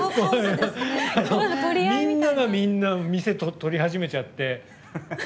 みんながみんな店、取り始めちゃって。